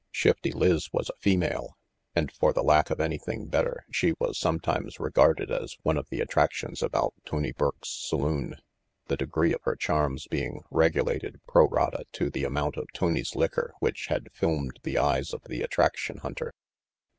Shifty Lizz was a female, and for the lack of anything better she was sometimes regarded as one of the attractions about Tony Burke's saloon, the degree of her charms being regulated pro rata to the amount of Tony's liquor which had filmed the eyes of the attraction hunter.